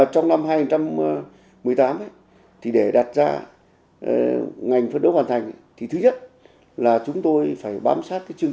trong năm hai nghìn một mươi tám để đặt ra ngành phân đấu hoàn thành thứ nhất là chúng tôi phải bám sát chương trình